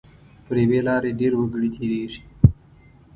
پر یوې لارې ډېر وګړي تېریږي.